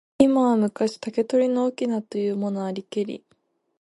今は昔、竹取の翁というものありけり。